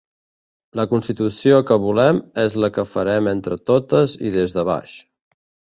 La constitució que volem és la que farem entre totes i des de baix.